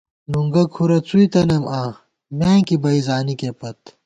نُنگُہ کُھرَہ څُوئی تنَئیم آں ، میانکی بئ زانِکے پت